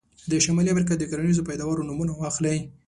د شمالي امریکا د کرنیزو پیداوارو نومونه واخلئ.